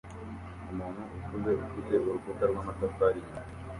Umuntu ukuze ufite urukuta rw'amatafari inyuma